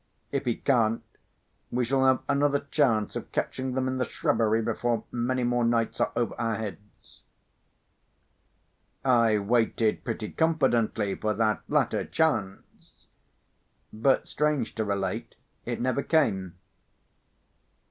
If he can't, we shall have another chance of catching them in the shrubbery, before many more nights are over our heads." I waited pretty confidently for that latter chance; but, strange to relate, it never came.